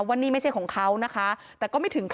ว่านี่ไม่ใช่ของเขานะคะแต่ก็ไม่ถึงขั้น